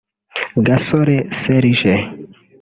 Gasore Serge